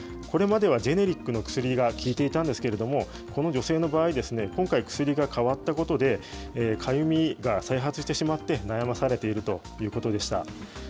これまではジェネリックの薬が効いていたんですけれども、この女性の場合、今回、薬が変わったことで、かゆみが再発してしまって、悩まされているということでした。